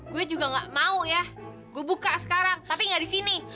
gue juga gak mau ya gue buka sekarang tapi nggak di sini